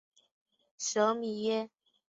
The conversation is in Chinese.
舍米耶。